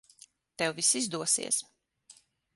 Tev viss izdosies.